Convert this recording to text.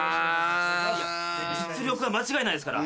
実力は間違いないですから。